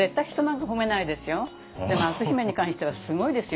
でも篤姫に関してはすごいですよね。